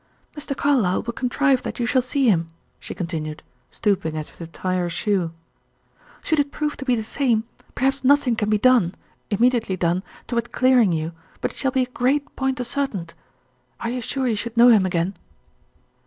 "Mr. Carlyle will contrive that you shall see him," she continued, stooping as if to tie her shoe. "Should it prove to be the same, perhaps nothing can be done immediately done toward clearing you, but it shall be a great point ascertained. Are you sure you should know him again?"